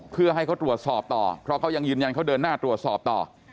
เพื่อให้เขาตรวจสอบต่อเพราะเขายังยืนยันเขาเดินหน้าตรวจสอบต่อ